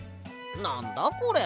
なんだこれ。